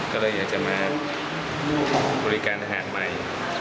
ก็เลยอยากจะมาบริการอาหารใหม่